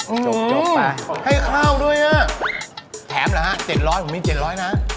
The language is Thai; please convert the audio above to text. อืมให้ข้าวด้วยนะแถมละฮะ๗๐๐บาทผมมี๗๐๐บาทนะฮะ